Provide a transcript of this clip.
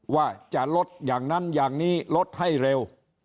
ว่าจะลดอย่างนั้นอย่างนี้ลดให้เร็ว